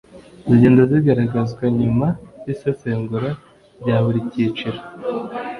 zigenda zigaragazwa nyuma y isesengura rya buri cyiciro